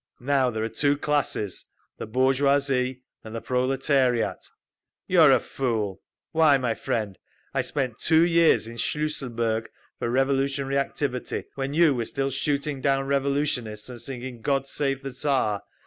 Now there are two classes, the bourgeoisie and the proletariat—" "You are a fool! Why, my friend, I spent two years in Schlüsselburg for revolutionary activity, when you were still shooting down revolutionists and singing 'God Save the Tsar!